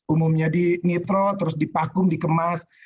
umumnya dinitro terus dipakum dikemas